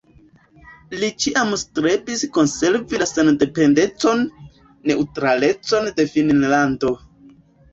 Li ĉiam strebis konservi la sendependecon, neŭtralecon de Finnlando.